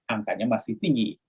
angkanya masih tinggi